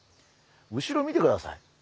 後ろ見てください。